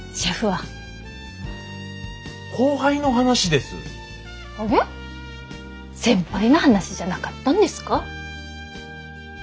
アゲ先輩の話じゃなかったんですか？